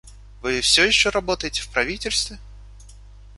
Вы всё еще работаете в правительстве?